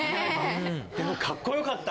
でもかっこよかった。